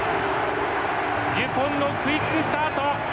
デュポンのクイックスタート。